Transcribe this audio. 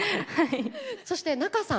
そして仲さん。